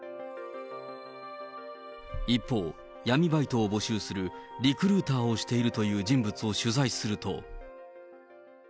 一方、闇バイトを募集するリクルーターをしているという人物を取材すると。